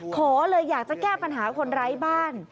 ขอเลยอยากจะแก้ปัญหาคนไร้บ้าน